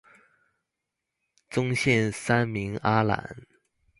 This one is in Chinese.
宗宪三名阿懒。